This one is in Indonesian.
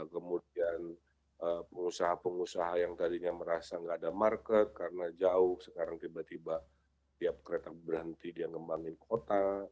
kemudian pengusaha pengusaha yang tadinya merasa nggak ada market karena jauh sekarang tiba tiba tiap kereta berhenti dia ngembangin kota